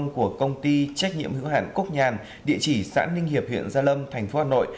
của công ty trách nhiệm hữu hạn cúc nhàn địa chỉ xã ninh hiệp huyện gia lâm thành phố hà nội